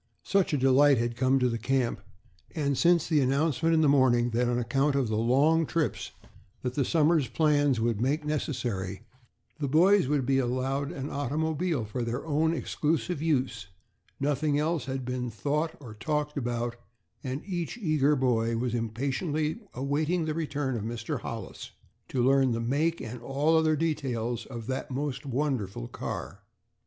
Such a delight had come to the camp, and since the announcement in the morning that on account of the long trips that the summer's plans would make necessary, the boys would be allowed an automobile for their own exclusive use, nothing else had been thought or talked about; and each eager boy was impatiently awaiting the return of Mr. Hollis to learn the make and all other details of that most wonderful car.